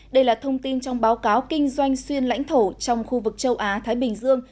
đây là thông tin trong báo cáo kinh doanh xuyên lãnh thổ trong khu vực châu á thái bình dương